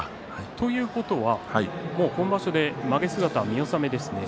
ということは今場所でまげ姿は見納めですね。